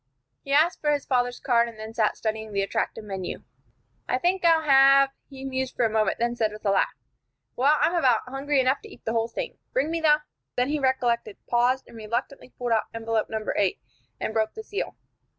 He asked for his father's card, and then sat studying the attractive menu. "I think I'll have " He mused for a moment, then said, with a laugh, "Well, I'm about hungry enough to eat the whole thing. Bring me the " Then he recollected, paused, and reluctantly pulled out envelope No. 8, and broke the seal.